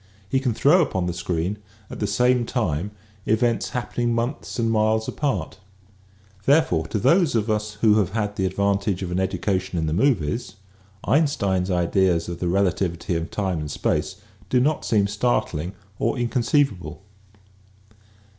He can throw upon the screen at the same time events happening months and miles apart. Therefore to those of us who have had the advantage of an education in the movies, Einstein's ideas of the relativity of time and space do not seem startling or inconceivable.